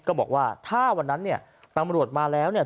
บอกว่าถ้าวันนั้นเนี่ยตำรวจมาแล้วเนี่ย